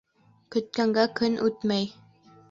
Көткәнгә көн үтмәй